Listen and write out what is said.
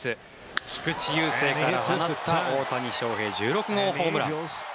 菊池雄星から放った大谷翔平、１６号ホームラン。